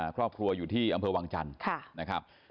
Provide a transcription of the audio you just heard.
ครอบครัวอยู่ที่อำเภอวังจันทร์นะครับ